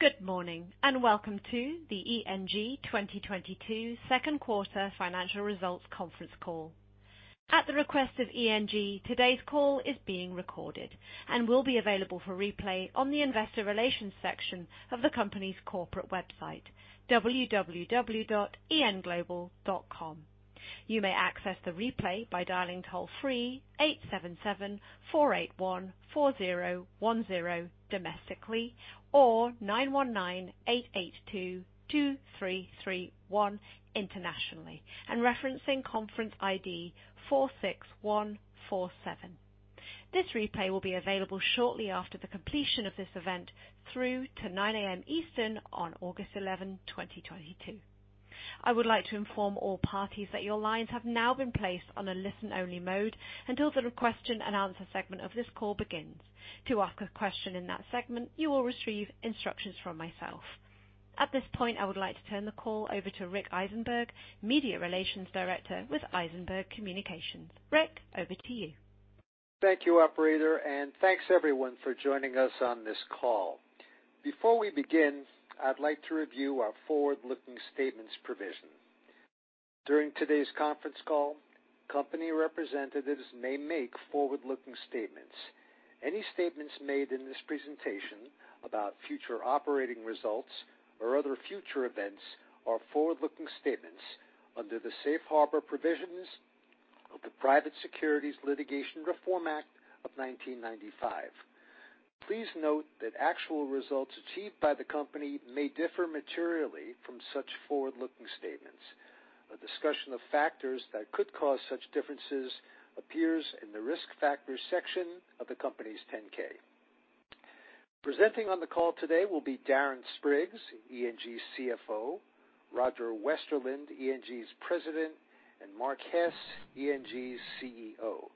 Good morning, and welcome to the ENG 2022 second quarter financial results conference call. At the request of ENG, today's call is being recorded and will be available for replay on the investor relations section of the company's corporate website, www.englobal.com. You may access the replay by dialing toll-free 877-481-4010 domestically, or 919-882-2331 internationally and referencing conference ID 46147. This replay will be available shortly after the completion of this event through 9 A.M. Eastern on August 11, 2022. I would like to inform all parties that your lines have now been placed on a listen-only mode until the question and answer segment of this call begins. To ask a question in that segment, you will receive instructions from myself. At this point, I would like to turn the call over to Rick Eisenberg, Media Relations Director with Eisenberg Communications. Rick, over to you. Thank you, operator, and thanks everyone for joining us on this call. Before we begin, I'd like to review our forward-looking statements provision. During today's conference call, company representatives may make forward-looking statements. Any statements made in this presentation about future operating results or other future events are forward-looking statements under the Safe Harbor Provisions of the Private Securities Litigation Reform Act of 1995. Please note that actual results achieved by the company may differ materially from such forward-looking statements. A discussion of factors that could cause such differences appears in the Risk Factors section of the company's 10-K. Presenting on the call today will be Darren Spriggs, ENG's CFO, Roger Westerlind, ENG's president, and Mark Hess, ENG's CEO.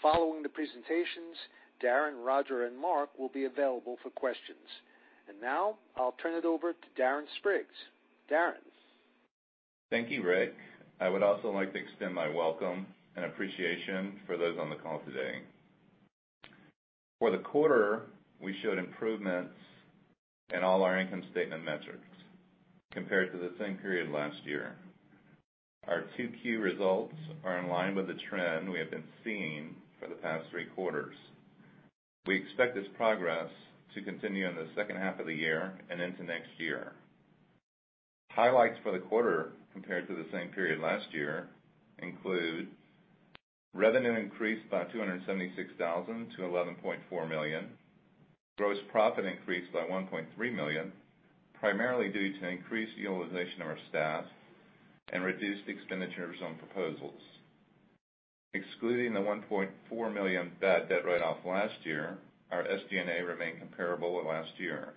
Following the presentations, Darren, Roger, and Mark will be available for questions. Now I'll turn it over to Darren Spriggs. Darren. Thank you, Rick. I would also like to extend my welcome and appreciation for those on the call today. For the quarter, we showed improvements in all our income statement metrics compared to the same period last year. Our two key results are in line with the trend we have been seeing for the past three quarters. We expect this progress to continue in the second half of the year and into next year. Highlights for the quarter compared to the same period last year include revenue increased by $276,000 to $11.4 million. Gross profit increased by $1.3 million, primarily due to increased utilization of our staff and reduced expenditures on proposals. Excluding the $1.4 million bad debt write-off last year, our SG&A remained comparable with last year.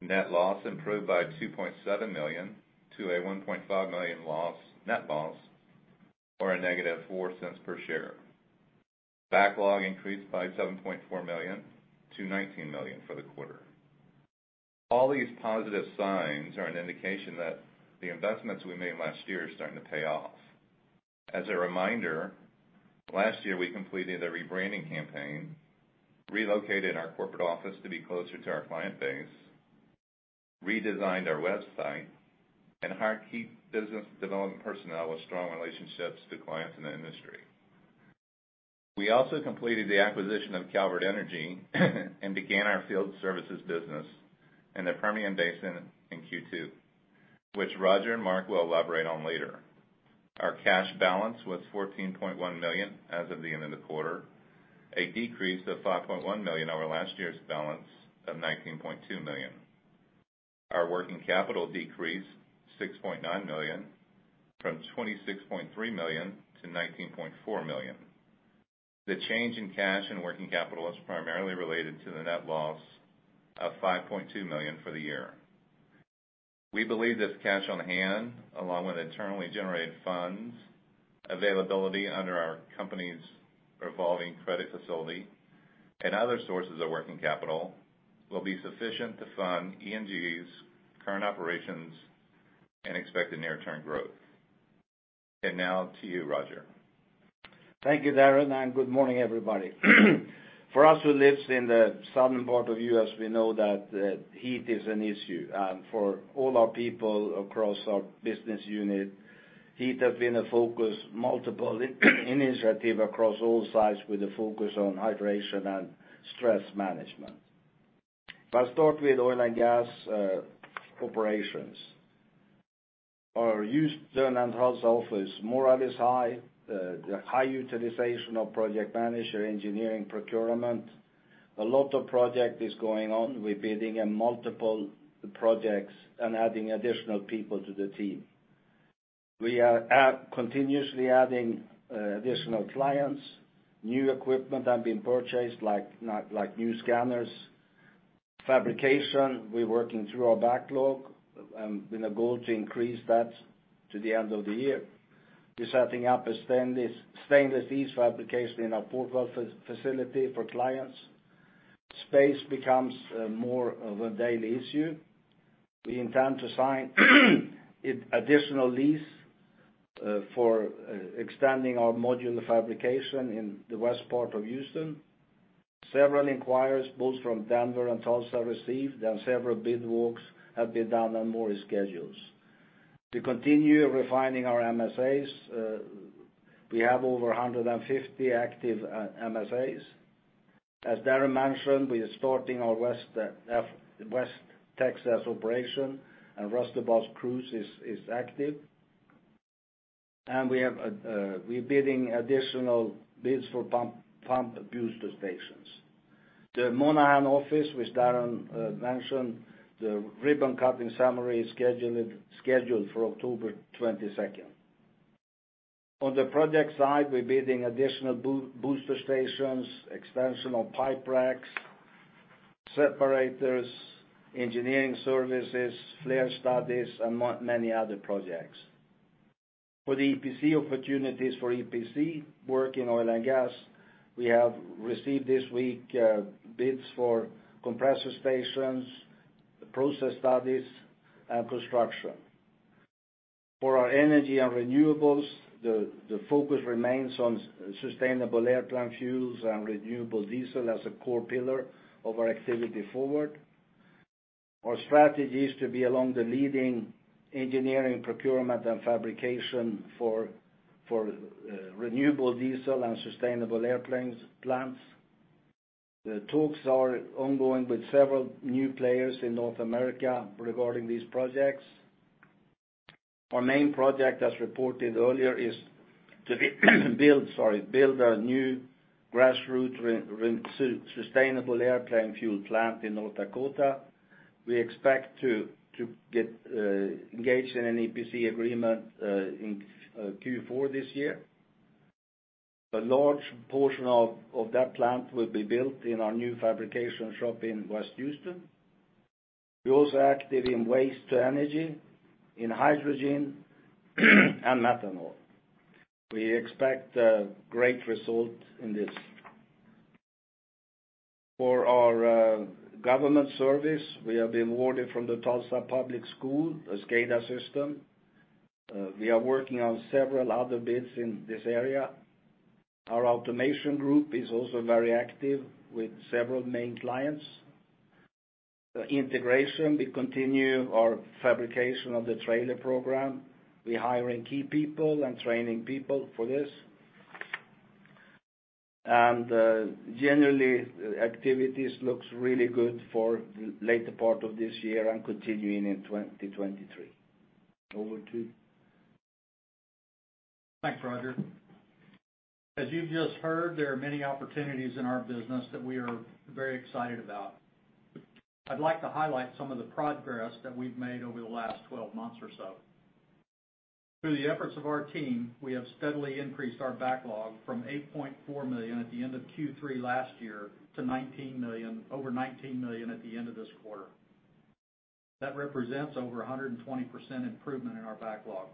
Net loss improved by $2.7 million to a $1.5 million loss, net loss, or a negative 4 cents per share. Backlog increased by $7.4 million to $19 million for the quarter. All these positive signs are an indication that the investments we made last year are starting to pay off. As a reminder, last year, we completed a rebranding campaign, relocated our corporate office to be closer to our client base, redesigned our website, and hired key business development personnel with strong relationships to clients in the industry. We also completed the acquisition of Calvert Energy and began our field services business in the Permian Basin in Q2, which Roger and Mark will elaborate on later. Our cash balance was $14.1 million as of the end of the quarter, a decrease of $5.1 million over last year's balance of $19.2 million. Our working capital decreased $6.9 million from $26.3 million to $19.4 million. The change in cash and working capital was primarily related to the net loss of $5.2 million for the year. We believe this cash on hand, along with internally generated funds, availability under our company's revolving credit facility, and other sources of working capital, will be sufficient to fund ENG's current operations and expected near-term growth. Now to you, Roger. Thank you, Darren, and good morning, everybody. For us who lives in the southern part of U.S., we know that heat is an issue. For all our people across our business unit, heat has been a focus, multiple initiatives across all sites with a focus on hydration and stress management. If I start with oil and gas operations. Our Houston and Tulsa office morale is high. The high utilization of project manager engineering procurement. A lot of project is going on. We're bidding in multiple projects and adding additional people to the team. We are continuously adding additional clients. New equipment are being purchased, like new scanners. Fabrication, we're working through our backlog with a goal to increase that to the end of the year. We're setting up a stainless steel fabrication in our Port Gulf facility for clients. Space becomes more of a daily issue. We intend to sign additional lease for extending our module fabrication in the west part of Houston. Several inquiries both from Denver and Tulsa received and several bid walks have been done on more schedules. To continue refining our MSAs, we have over 150 active MSAs. As Darren mentioned, we are starting our West Texas operation, and Ruston Bosquez is active. We're bidding additional bids for pump booster stations. The Monahans office, which Darren mentioned, the ribbon-cutting ceremony is scheduled for October 22nd. On the project side, we're bidding additional booster stations, extension of pipe racks, separators, engineering services, flare studies, and many other projects. For the EPC opportunities for EPC work in oil and gas, we have received this week bids for compressor stations, process studies, and construction. For our energy and renewables, the focus remains on sustainable airplane fuels and renewable diesel as a core pillar of our activity forward. Our strategy is to be among the leading engineering, procurement, and fabrication for renewable diesel and sustainable airplane plants. The talks are ongoing with several new players in North America regarding these projects. Our main project, as reported earlier, is to build a new grassroots sustainable airplane fuel plant in North Dakota. We expect to get engaged in an EPC agreement in Q4 this year. A large portion of that plant will be built in our new fabrication shop in West Houston. We're also active in waste-to-energy, in hydrogen, and methanol. We expect great results in this. For our government service, we have been awarded from the Tulsa Public Schools a SCADA system. We are working on several other bids in this area. Our automation group is also very active with several main clients. The integration, we continue our fabrication of the trailer program. We're hiring key people and training people for this. Generally, activities looks really good for the later part of this year and continuing in 2023. Over to you. Thanks, Roger. As you've just heard, there are many opportunities in our business that we are very excited about. I'd like to highlight some of the progress that we've made over the last 12 months or so. Through the efforts of our team, we have steadily increased our backlog from $8.4 million at the end of Q3 last year to $19 million, over $19 million at the end of this quarter. That represents over 120% improvement in our backlog.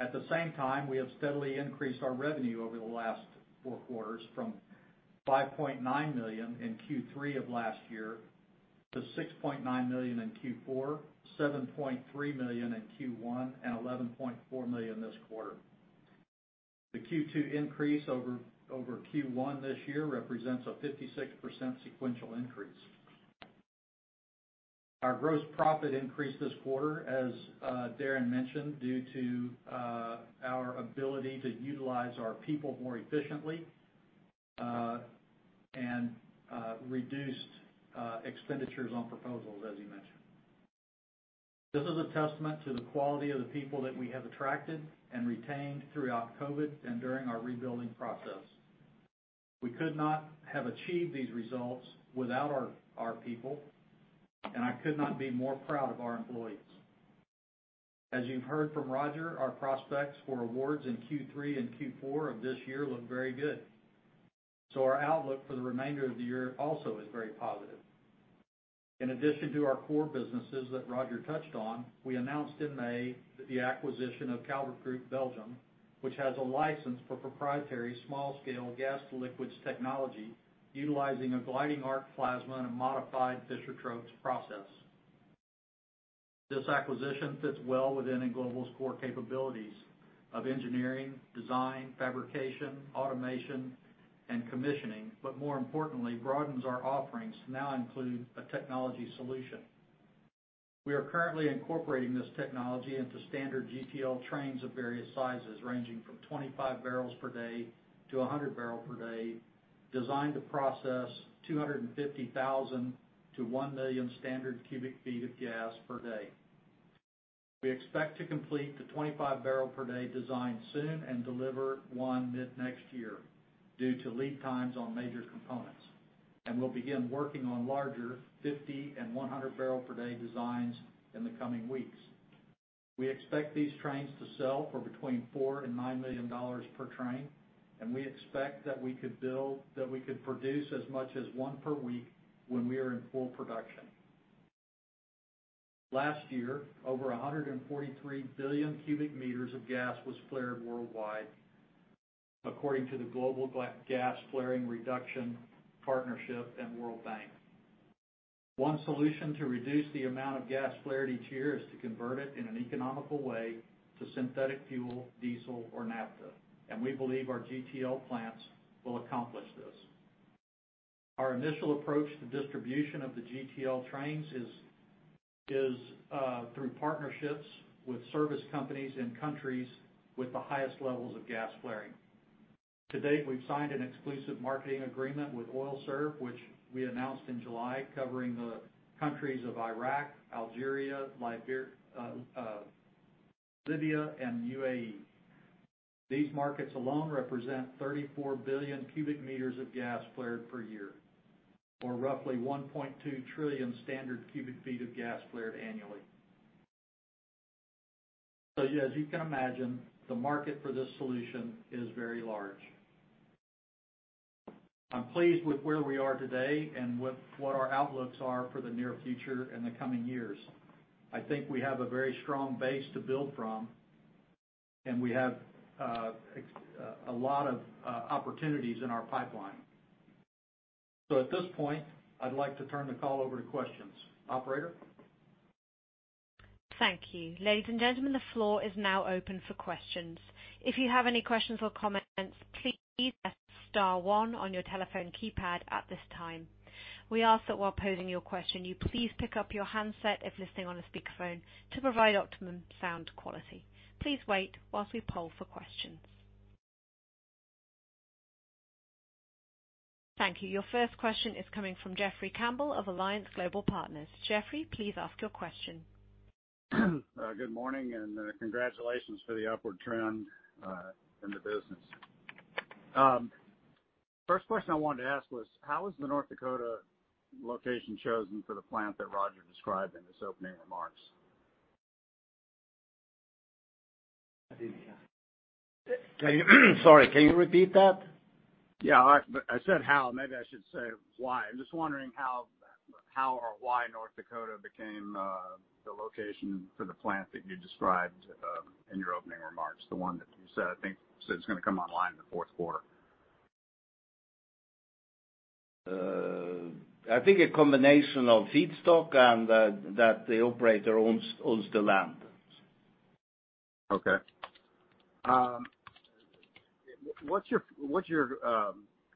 At the same time, we have steadily increased our revenue over the last four quarters from $5.9 million in Q3 of last year to $6.9 million in Q4, $7.3 million in Q1, and $11.4 million this quarter. The Q2 increase over Q1 this year represents a 56% sequential increase. Our gross profit increased this quarter, as Darren mentioned, due to our ability to utilize our people more efficiently, and reduced expenditures on proposals, as he mentioned. This is a testament to the quality of the people that we have attracted and retained throughout COVID and during our rebuilding process. We could not have achieved these results without our people, and I could not be more proud of our employees. As you've heard from Roger, our prospects for awards in Q3 and Q4 of this year look very good. Our outlook for the remainder of the year also is very positive. In addition to our core businesses that Roger touched on, we announced in May the acquisition of Calvert Energy Group, which has a license for proprietary small-scale gas to liquids technology utilizing a gliding arc plasma and a modified Fischer-Tropsch process. This acquisition fits well within ENGlobal's core capabilities of engineering, design, fabrication, automation, and commissioning, but more importantly, broadens our offerings to now include a technology solution. We are currently incorporating this technology into standard GTL trains of various sizes, ranging from 25 barrels per day to a 100 barrel per day, designed to process 250,000 to 1,000,000 standard cu ft of gas per day. We expect to complete the 25 barrel per day design soon and deliver one mid-next year due to lead times on major components. We'll begin working on larger 50 and 100 barrel per day designs in the coming weeks. We expect these trains to sell for between $4 million and $9 million per train, and we expect that we could produce as much as one per week when we are in full production. Last year, over 143 billion cubic meters of gas was flared worldwide according to the Global Flaring and Methane Reduction Partnership and World Bank. One solution to reduce the amount of gas flaring is to convert it in an economical way to synthetic fuel, diesel or naphtha, and we believe our GTL plants will accomplish this. Our initial approach to distribution of the GTL trains is through partnerships with service companies in countries with the highest levels of gas flaring. To date, we've signed an exclusive marketing agreement with OilSERV, which we announced in July, covering the countries of Iraq, Algeria, Libya, and UAE. These markets alone represent 34 billion cubic meters of gas flared per year, or roughly 1.2 trillion standard cu ft of gas flared annually. As you can imagine, the market for this solution is very large. I'm pleased with where we are today and what our outlooks are for the near future in the coming years. I think we have a very strong base to build from, and we have a lot of opportunities in our pipeline. At this point, I'd like to turn the call over to questions. Operator? Thank you. Ladies and gentlemen, the floor is now open for questions. If you have any questions or comments, please press star one on your telephone keypad at this time. We ask that while posing your question, you please pick up your handset if listening on a speakerphone to provide optimum sound quality. Please wait while we poll for questions. Thank you. Your first question is coming from Jeffrey Campbell of Alliance Global Partners. Jeffrey, please ask your question. Good morning and congratulations for the upward trend in the business. First question I wanted to ask was, how was the North Dakota location chosen for the plant that Roger described in his opening remarks? Sorry, can you repeat that? Yeah, all right. I said how, maybe I should say why. I'm just wondering how or why North Dakota became the location for the plant that you described in your opening remarks, the one that you said, I think, it's gonna come online in the fourth quarter. I think a combination of feedstock and that the operator owns the land. Okay. What's your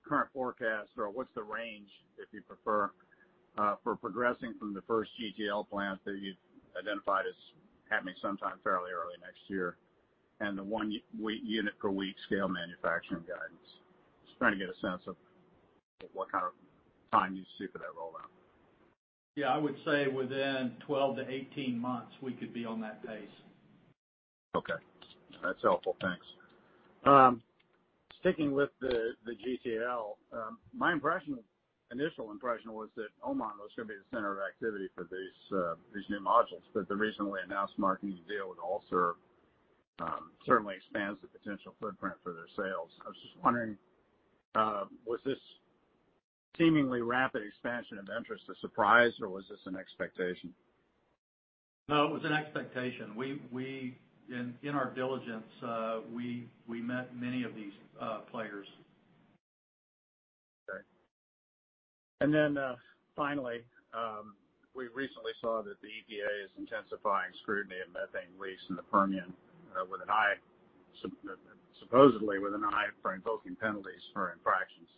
current forecast or what's the range, if you prefer, for progressing from the first GTL plant that you've identified as happening sometime fairly early next year, and the one unit per week scale manufacturing guidance? Just trying to get a sense of what kind of time you see for that rollout. Yeah, I would say within 12-18 months, we could be on that pace. Okay. That's helpful. Thanks. Sticking with the GTL, my impression, initial impression was that Oman was gonna be the center of activity for these new modules, but the recently announced marketing deal with OilSERV certainly expands the potential footprint for their sales. I was just wondering, was this seemingly rapid expansion of interest a surprise, or was this an expectation? No, it was an expectation. We in our diligence, we met many of these players. Okay. Finally, we recently saw that the EPA is intensifying scrutiny of methane leaks in the Permian, with an eye supposedly with an eye for invoking penalties for infractions.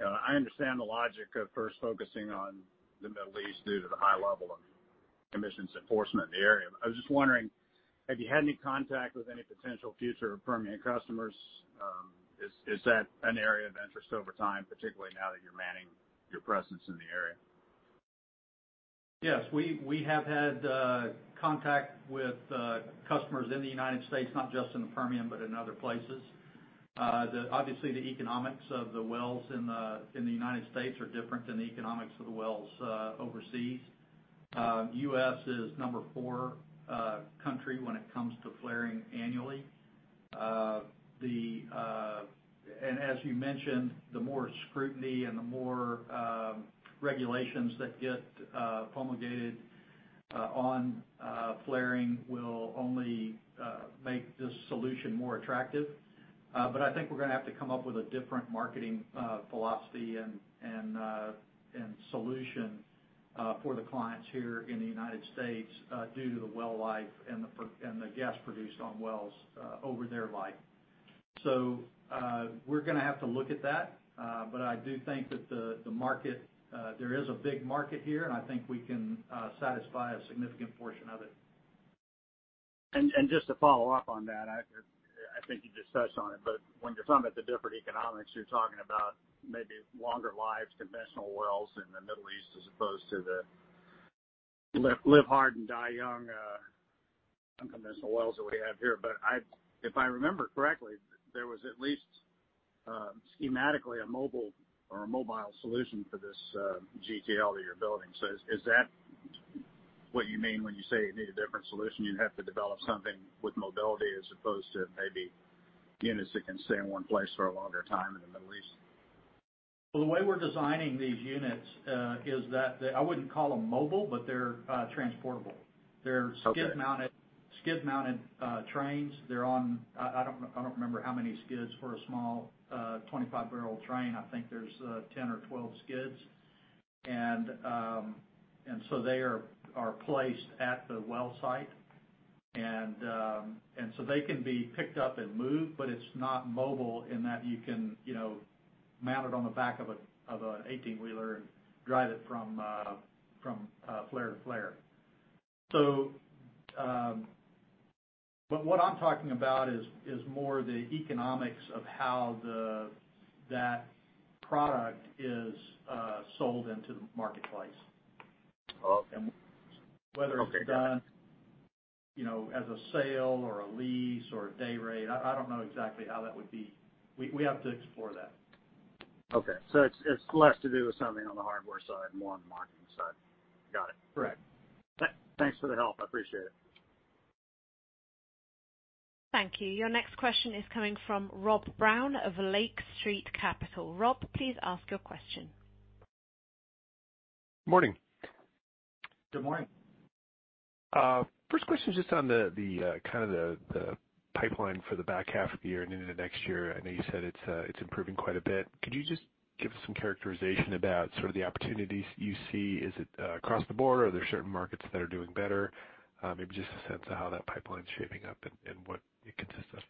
I understand the logic of first focusing on the Middle East due to the high level of emissions enforcement in the area. I was just wondering, have you had any contact with any potential future Permian customers? Is that an area of interest over time, particularly now that you're manning your presence in the area? Yes. We have had contact with customers in the United States, not just in the Permian, but in other places. Obviously, the economics of the wells in the United States are different than the economics of the wells overseas. U.S. is number four country when it comes to flaring annually. As you mentioned, the more scrutiny and the more regulations that get promulgated on flaring will only make this solution more attractive. I think we're gonna have to come up with a different marketing philosophy and solution for the clients here in the United States due to the well life and the gas produced on wells over their life. We're gonna have to look at that, but I do think that the market there is a big market here, and I think we can satisfy a significant portion of it. Just to follow up on that, I think you touched on it, but when you're talking about the different economics, you're talking about maybe longer lives, conventional wells in the Middle East as opposed to the live hard and die young unconventional wells that we have here. If I remember correctly, there was at least schematically a mobile solution for this GTL that you're building. Is that what you mean when you say you need a different solution? You'd have to develop something with mobility as opposed to maybe units that can stay in one place for a longer time in the Middle East? Well, the way we're designing these units is that I wouldn't call them mobile, but they're transportable. Okay. They're skid-mounted trains. They're on... I don't remember how many skids for a small 25-barrel train. I think there's 10 or 12 skids. They are placed at the well site. They can be picked up and moved, but it's not mobile in that you can, you know, mount it on the back of a 18-wheeler and drive it from flare to flare. But what I'm talking about is more the economics of how that product is sold into the marketplace. Oh, okay. Whether it's done, you know, as a sale or a lease or a day rate, I don't know exactly how that would be. We have to explore that. Okay. It's less to do with something on the hardware side, more on the marketing side. Got it. Correct. Thanks for the help. I appreciate it. Thank you. Your next question is coming from Rob Brown of Lake Street Capital Markets. Rob, please ask your question. Morning. Good morning. First question is just on the pipeline for the back half of the year and into next year. I know you said it's improving quite a bit. Could you just give us some characterization about sort of the opportunities you see? Is it across the board? Are there certain markets that are doing better? Maybe just a sense of how that pipeline is shaping up and what it consists of.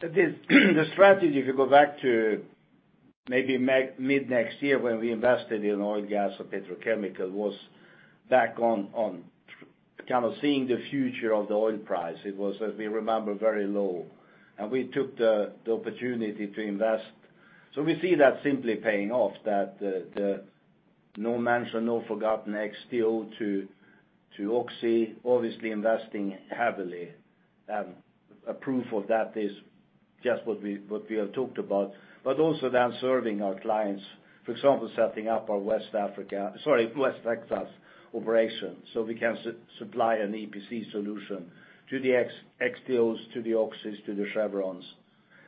The strategy, if you go back to maybe mid-next year when we invested in oil & gas or petrochemical, was back on kind of seeing the future of the oil price. It was, as we remember, very low. We took the opportunity to invest. We see that simply paying off, that the Nabors and Ovintiv, Exxon to OXY, obviously investing heavily. A proof of that is just what we have talked about. Also then serving our clients, for example, setting up our West Texas operation, so we can supply an EPC solution to the Exxons, to the OXYs, to the Chevrons.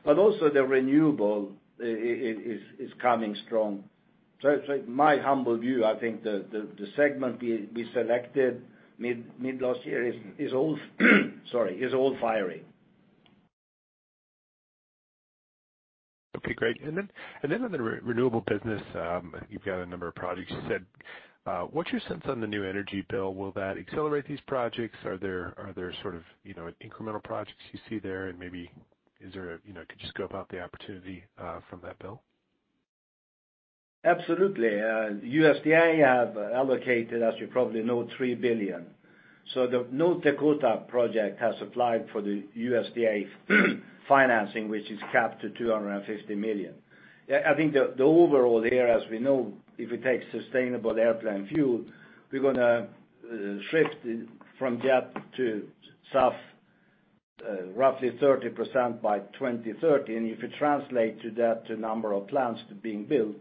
Also the renewable is coming strong. It's like my humble view, I think the segment we selected mid last year is all firing. Okay, great. On the renewable business, you've got a number of projects you said. What's your sense on the new energy bill? Will that accelerate these projects? Are there sort of, you know, incremental projects you see there, and maybe is there a, you know, could you scope out the opportunity from that bill? Absolutely. The USDA have allocated, as you probably know, $3 billion. The North Dakota project has applied for the USDA financing, which is capped to $250 million. Yeah, I think the overall here, as we know, if we take sustainable airplane fuel, we're gonna shift from jet to SAF, roughly 30% by 2030. If you translate that to number of plants to being built,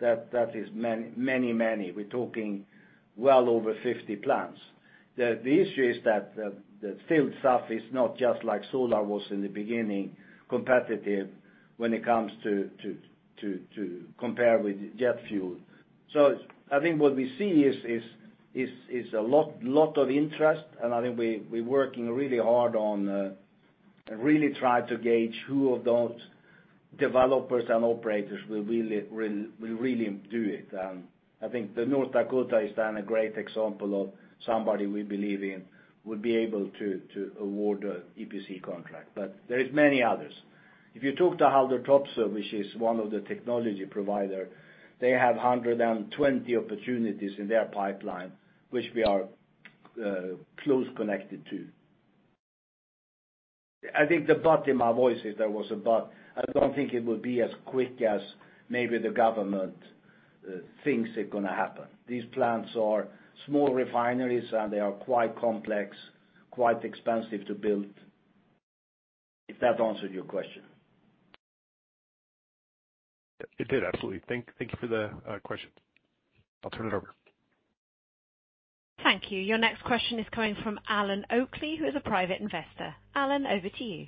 that is many, many. We're talking well over 50 plants. The issue is that the fuel SAF is not just like solar was in the beginning, competitive when it comes to compare with jet fuel. I think what we see is a lot of interest, and I think we working really hard on really try to gauge who of those developers and operators will really do it. I think the North Dakota is then a great example of somebody we believe in would be able to award a EPC contract. There is many others. If you talk to Haldor Topsoe, which is one of the technology provider, they have 120 opportunities in their pipeline, which we are close connected to. I think the but in my voice, if there was a but, I don't think it would be as quick as maybe the government thinks it gonna happen. These plants are small refineries, and they are quite complex, quite expensive to build. If that answered your question. It did, absolutely. Thank you for the question. I'll turn it over. Thank you. Your next question is coming from Alan Oakley, who is a Private Investor. Alan, over to you.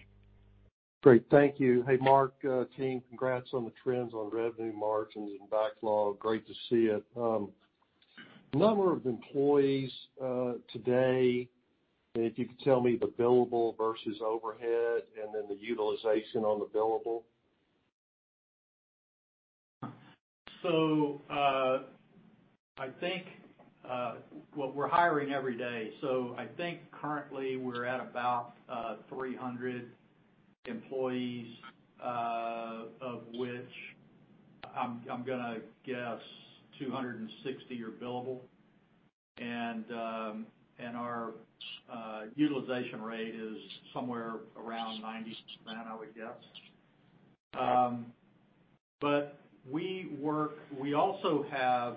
Great. Thank you. Hey, Mark, team, congrats on the trends on revenue margins and backlog. Great to see it. Number of employees today, and if you could tell me the billable versus overhead and then the utilization on the billable. I think well, we're hiring every day. I think currently we're at about 300 employees, of which I'm gonna guess 260 are billable. Our utilization rate is somewhere around 90%, I would guess. We also have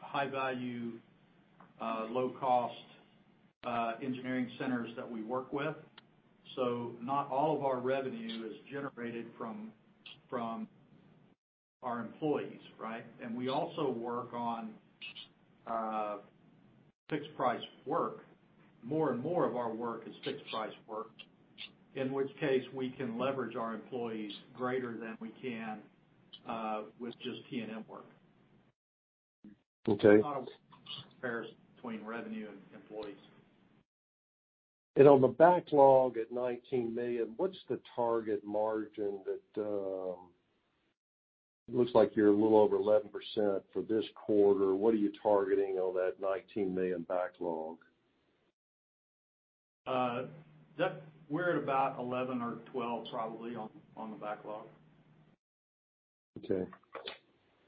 high value low cost engineering centers that we work with. Not all of our revenue is generated from our employees, right? We also work on fixed price work. More and more of our work is fixed price work. In which case we can leverage our employees greater than we can with just T&M work. Okay. Kind of comparison between revenue and employees. On the backlog at $19 million, what's the target margin that looks like you're a little over 11% for this quarter. What are you targeting on that $19 million backlog? We're at about 11 or 12 probably on the backlog. Okay.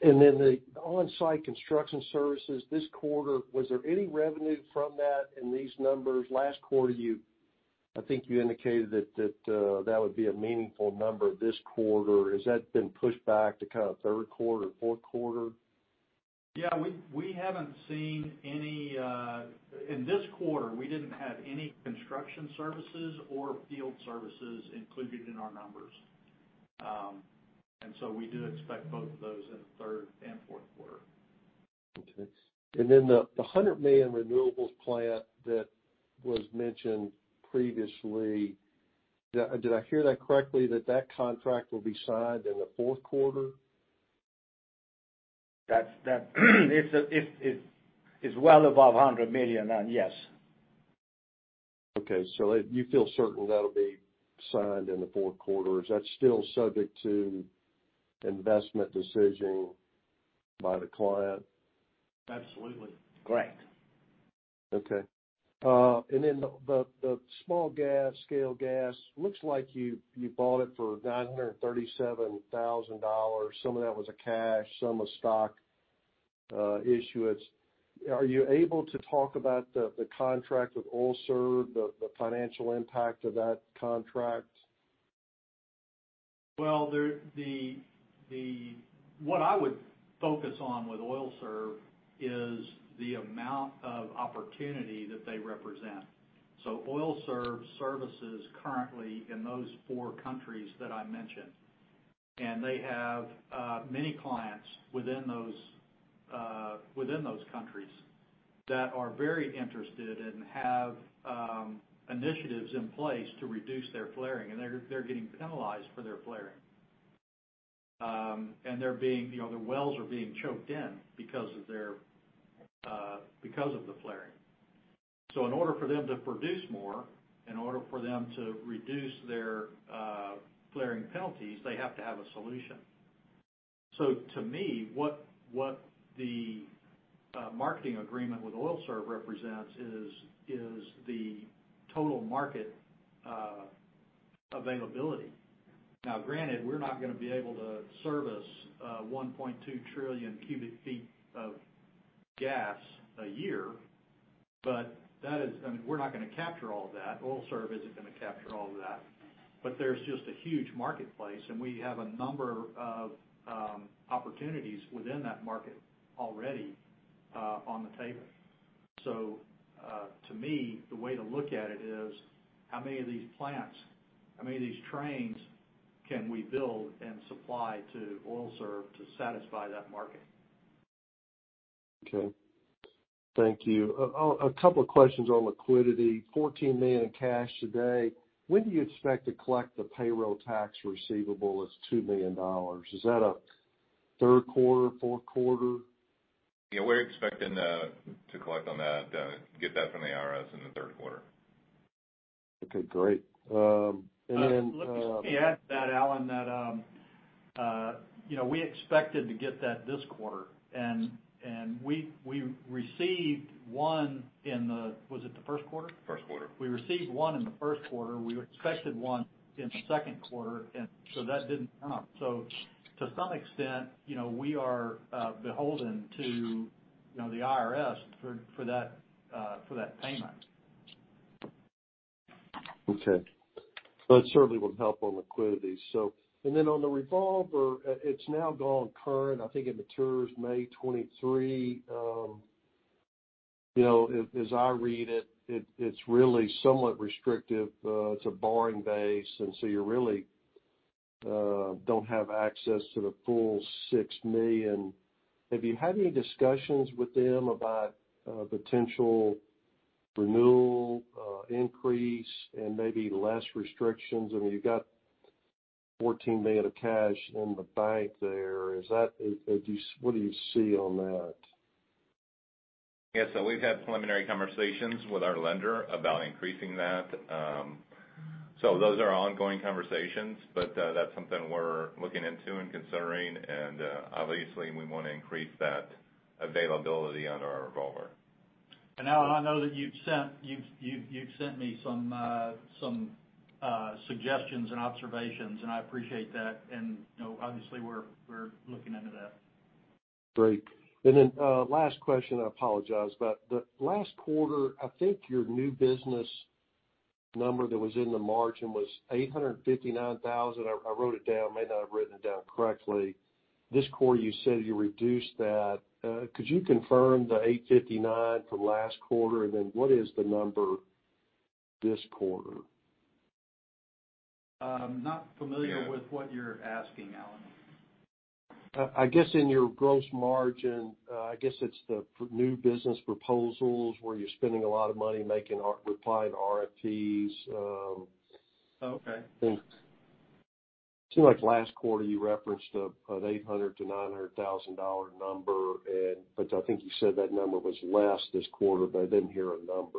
The on-site construction services this quarter, was there any revenue from that in these numbers? Last quarter, I think you indicated that would be a meaningful number this quarter. Has that been pushed back to kind of third quarter, fourth quarter? We haven't seen any. In this quarter, we didn't have any construction services or field services included in our numbers. We do expect both of those in third and fourth quarter. The $100 million renewables plant that was mentioned previously, did I hear that correctly that contract will be signed in the fourth quarter? It's well above $100 million, and yes. Okay. You feel certain that'll be signed in the fourth quarter. Is that still subject to investment decision by the client? Absolutely. Correct. The small-scale gas looks like you bought it for $937,000. Some of that was cash, some was stock issuance. Are you able to talk about the contract with OilSERV, the financial impact of that contract? Well, what I would focus on with OilSERV is the amount of opportunity that they represent. OilSERV services currently in those four countries that I mentioned. They have many clients within those countries that are very interested and have initiatives in place to reduce their flaring. They're getting penalized for their flaring. They're being, you know, their wells are being choked in because of their flaring. In order for them to produce more, in order for them to reduce their flaring penalties, they have to have a solution. To me, what the marketing agreement with OilSERV represents is the total market availability. Now granted, we're not gonna be able to service 1.2 trillion cu ft of gas a year, but that is, I mean, we're not gonna capture all of that. OilSERV isn't gonna capture all of that. But there's just a huge marketplace, and we have a number of opportunities within that market already on the table. To me, the way to look at it is how many of these plants, how many of these trains can we build and supply to OilSERV to satisfy that market? Okay. Thank you. A couple of questions on liquidity. $14 million in cash today. When do you expect to collect the payroll tax receivable that's $2 million? Is that a third quarter, fourth quarter? Yeah. We're expecting to collect on that, get that from the IRS in the third quarter. Okay, great. Let me just add to that, Alan, that you know we expected to get that this quarter. We received one. Was it the first quarter? First quarter. We received one in the first quarter. We expected one in the second quarter, and so that didn't come. To some extent, you know, we are beholden to, you know, the IRS for that payment. Okay. Well, it certainly would help on liquidity. On the revolver, it's now gone current. I think it matures May 2023. You know, as I read it's really somewhat restrictive. It's a borrowing base, and so you really don't have access to the full $6 million. Have you had any discussions with them about a potential renewal, increase and maybe less restrictions? I mean, you've got $14 million of cash in the bank there. What do you see on that? Yes. We've had preliminary conversations with our lender about increasing that. Those are ongoing conversations, but that's something we're looking into and considering. Obviously, we wanna increase that availability on our revolver. Alan, I know that you've sent me some suggestions and observations, and I appreciate that. You know, obviously, we're looking into that. Great. Then last question, I apologize. The last quarter, I think your new business number that was in the margin was $859,000. I wrote it down. May not have written it down correctly. This quarter you said you reduced that. Could you confirm the $859,000 from last quarter? Then what is the number this quarter? I'm not familiar. Yeah with what you're asking, Alan. I guess in your gross margin, I guess it's the new business proposals where you're spending a lot of money replying RFPs. Oh, okay. It seemed like last quarter you referenced an $800,000-$900,000 number, but I think you said that number was less this quarter, but I didn't hear a number.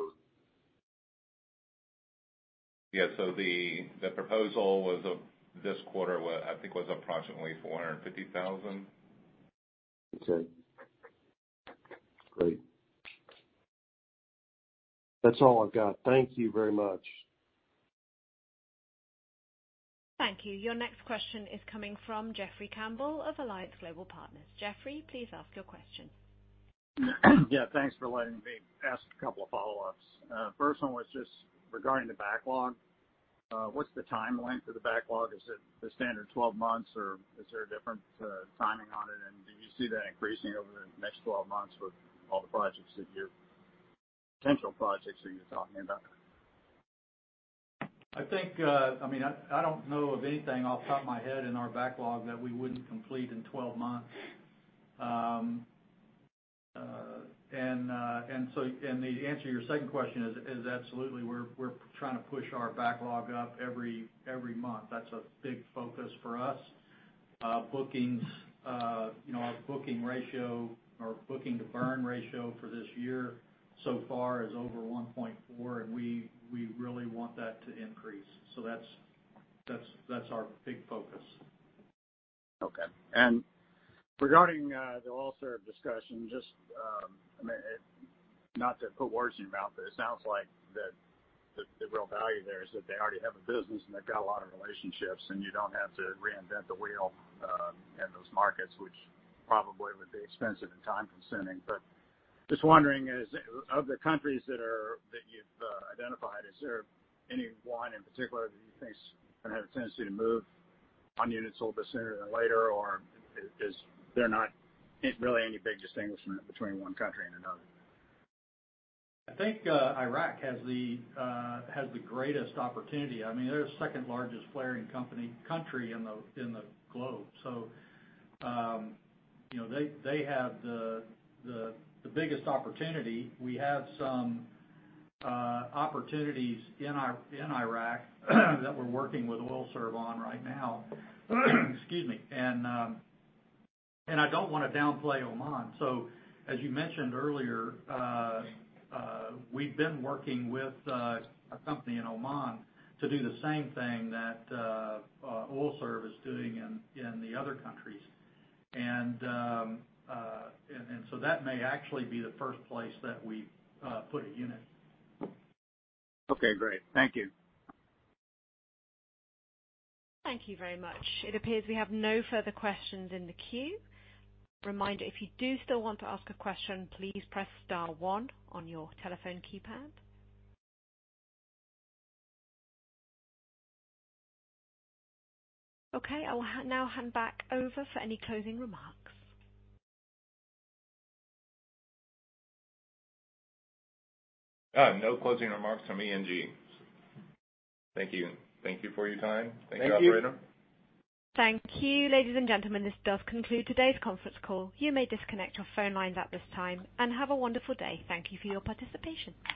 Yeah. The proposal was for this quarter, I think, approximately $450,000. Okay. Great. That's all I've got. Thank you very much. Thank you. Your next question is coming from Jeffrey Campbell of Alliance Global Partners. Jeffrey, please ask your question. Yeah, thanks for letting me ask a couple of follow-ups. First one was just regarding the backlog. What's the timeline for the backlog? Is it the standard 12 months, or is there a different timing on it? And do you see that increasing over the next 12 months with all the potential projects that you're talking about? I think, I mean, I don't know of anything off the top of my head in our backlog that we wouldn't complete in 12 months. The answer to your second question is absolutely, we're trying to push our backlog up every month. That's a big focus for us. Bookings, you know, our booking ratio or booking to burn ratio for this year so far is over 1.4, and we really want that to increase. That's our big focus. Okay. Regarding the OilSERV discussion, just, I mean, not to put words in your mouth, but it sounds like that the real value there is that they already have a business and they've got a lot of relationships, and you don't have to reinvent the wheel in those markets, which probably would be expensive and time consuming. Just wondering, is of the countries that you've identified, is there any one in particular that you think is gonna have a tendency to move on units a little bit sooner than later? Or is there not really any big distinction between one country and another? I think Iraq has the greatest opportunity. I mean, they're the second largest flaring country in the globe. You know, they have the biggest opportunity. We have some opportunities in Iraq that we're working with OilSERV on right now. Excuse me. I don't wanna downplay Oman. As you mentioned earlier, we've been working with a company in Oman to do the same thing that OilSERV is doing in the other countries. That may actually be the first place that we put a unit. Okay, great. Thank you. Thank you very much. It appears we have no further questions in the queue. Reminder, if you do still want to ask a question, please press star one on your telephone keypad. Okay, I will now hand back over for any closing remarks. No closing remarks from ENG. Thank you. Thank you for your time. Thank you, operator. Thank you, ladies and gentlemen. This does conclude today's conference call. You may disconnect your phone lines at this time, and have a wonderful day. Thank you for your participation.